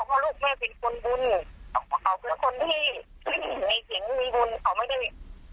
เพราะลูกแม่เป็นคนบุญเขาเป็นคนที่ขึ้นในเสียงมีบุญเขาไม่ได้